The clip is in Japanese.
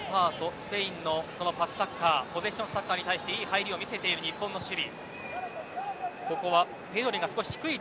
スペインのパスサッカーポゼッションサッカーに対していい入りを見せている日本の守備。